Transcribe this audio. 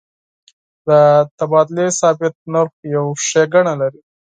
د تبادلې ثابت نرخ یو ښیګڼه لري.